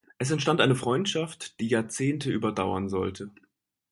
Es entstand eine Freundschaft, die Jahrzehnte überdauern sollte.